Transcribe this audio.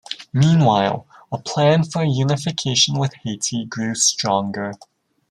Meanwhile, a plan for unification with Haiti grew stronger.